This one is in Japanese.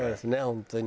本当に。